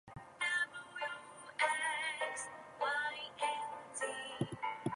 He was martyred on the Day of Ashura in Battle of Karbala.